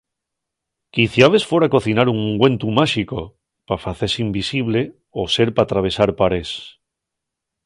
Quiciabes fora cocinar un ungüentu máxico pa facese invisible o ser p'atravesar parés.